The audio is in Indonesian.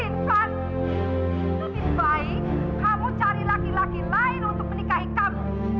lebih baik kamu cari laki laki lain untuk menikahi kamu